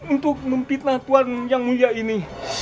untuk memfitnah tuhan yang mulia ini